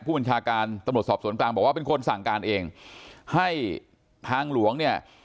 ผู้บัญชาการตำรวจสอบสวนกลางบอกว่าเป็นคนสั่งการเองให้ทางหลวงเนี่ย